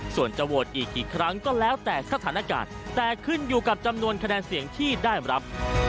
ส่วนจะโหวตอีกกี่ครั้งก็แล้วแต่สถานการณ์แต่ขึ้นอยู่กับจำนวนคะแนนเสียงที่ได้รับ